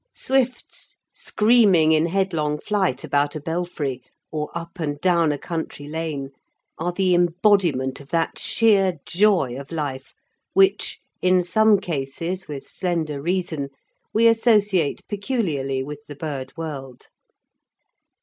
Swifts screaming in headlong flight about a belfry or up and down a country lane are the embodiment of that sheer joy of life which, in some cases with slender reason, we associate peculiarly with the bird world.